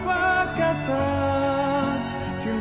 temenin aku yang ada di sini